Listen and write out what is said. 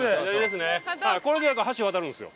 これで橋渡るんですよ。